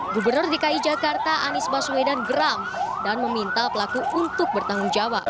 gubernur dki jakarta anies baswedan geram dan meminta pelaku untuk bertanggung jawab